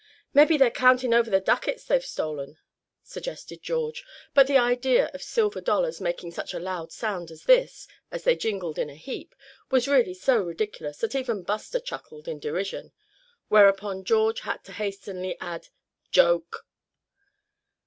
"Mebbe they're counting over the ducats they've stolen," suggested George; but the idea of silver dollars making such a loud sound as this as they jingled in a heap, was really so ridiculous that even Buster chuckled in derision; whereupon George had to hastily add "joke!"